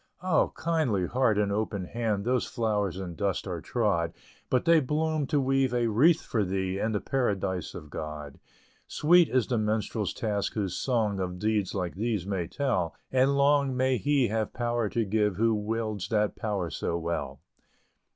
Oh! kindly heart and open hand Those flowers in dust are trod, But they bloom to weave a wreath for thee, In the Paradise of God. Sweet is the Minstrel's task, whose song Of deeds like these may tell; And long may he have power to give, Who wields that power so well!